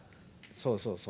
そうそうそう。